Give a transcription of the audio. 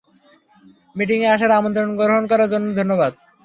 মিটিংয়ে আসার আমন্ত্রণ গ্রহণ করার জন্য ধন্যবাদ।